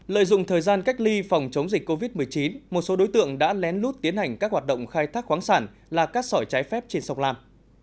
lợi dụng thời gian cách ly phòng chống dịch covid một mươi chín một số đối tượng đã lén lút tiến hành các hoạt động khai thác khoáng sản là cát sỏi trái phép trên sông lam